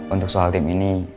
untuk soal tim ini